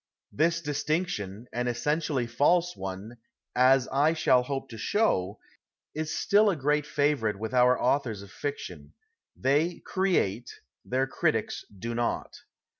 This distinction, an essentially false one, as I shall hope to show, is still a great favourite with our authors of fiction ; they " create," their critics do not.